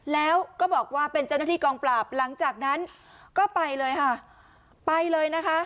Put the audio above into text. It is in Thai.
แล้วก็บอกว่าเป็นเจ้าหน้าที่กองปราบหลังจากนั้นก็ไปเลยค่ะไปเลยนะคะ